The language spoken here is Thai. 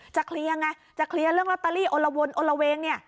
จะเคลียร์อย่างไรจะเคลียร์เรื่องลอตเตอรี่อละวนอละเวง